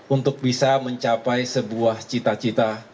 untuk bisa mencapai sebuah cita cita